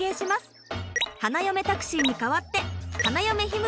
花嫁タクシーに代わって花嫁ひむ